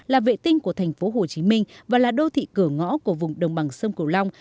là vệ tinh của thành phố hồ chí minh và là đô thị cửa ngõ của vùng đồng bằng sông cửu long